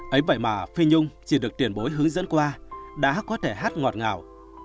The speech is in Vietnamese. ấy vậy mà phi nhung chỉ được tuyển bối hướng dẫn qua đã có thể hát ngọt ngào